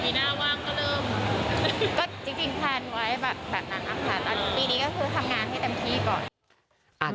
ปีนี้ก็คือทำงานที่เต็มที่ก่อน